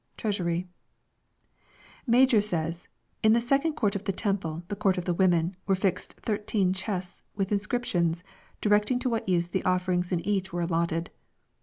treasury^ Major says, " In the second court of the temple, the court of the women, were fixed thirteen chests, with inscriptions, directing to what use \hQ offerings in each were allotted.